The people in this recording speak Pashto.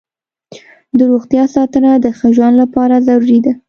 د روغتیا ساتنه د ښه ژوند لپاره ضروري ده.